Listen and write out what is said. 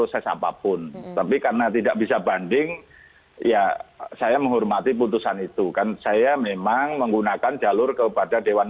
supaya tidak tersangkut kasus dugaan pelanggaran kode etik